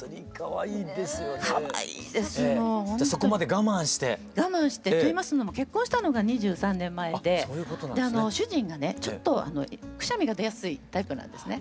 我慢してといいますのも結婚したのが２３年前で主人がねちょっとくしゃみが出やすいタイプなんですね。